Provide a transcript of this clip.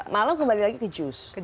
malam kembali lagi ke jus